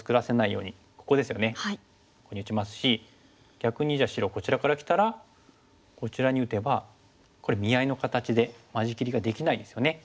逆にじゃあ白こちらからきたらこちらに打てばこれ見合いの形で間仕切りができないですよね。